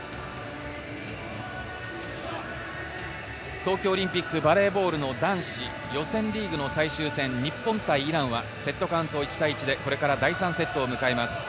東京オリンピック、バレーボールの男子、予選リーグの最終戦、日本対イランはセットカウント、１対１でこれから第３セットを迎えます。